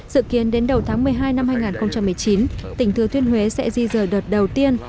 dự kiến đến đầu tháng một mươi hai năm hai nghìn một mươi chín tỉnh thừa thiên huế sẽ di rời đợt đầu tiên